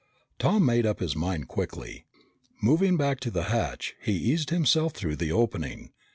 Tom made up his mind quickly. Moving back to the hatch, he eased himself through the opening.